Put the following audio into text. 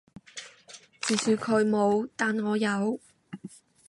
至少佢冇，但我有